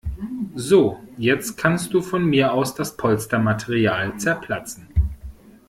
So, jetzt kannst du von mir aus das Polstermaterial zerplatzen.